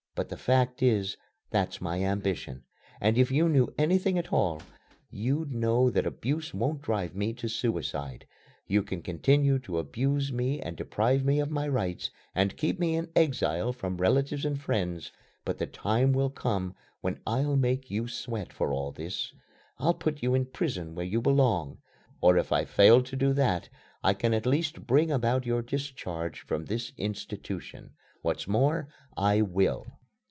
But the fact is, that's my ambition, and if you knew anything at all, you'd know that abuse won't drive me to suicide. You can continue to abuse me and deprive me of my rights, and keep me in exile from relatives and friends, but the time will come when I'll make you sweat for all this. I'll put you in prison where you belong. Or if I fail to do that, I can at least bring about your discharge from this institution. What's more, I will."